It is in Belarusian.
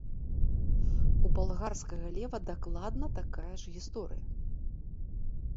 У балгарскага лева дакладна такая ж гісторыя.